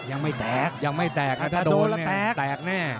ยังไม่แตกถ้าโดนแตกแน่ะ